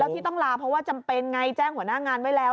ที่ต้องลาเพราะว่าจำเป็นไงแจ้งหัวหน้างานไว้แล้ว